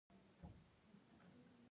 افغانستان کې د ښارونو په اړه زده کړه کېږي.